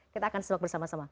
kita akan sebaik bersama sama